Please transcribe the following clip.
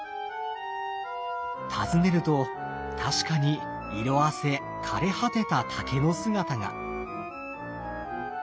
訪ねると確かに色あせ枯れ果てた竹の姿が。